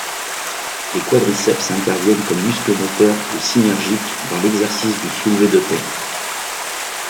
Les quadriceps interviennent comme muscles moteurs ou synergiques dans l'exercice du soulevé de terre.